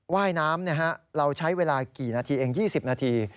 ว่ายน้ำเราใช้เวลากี่นาทีเอง๒๐นาที